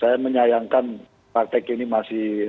saya menyayangkan partai kini masih darimedlengke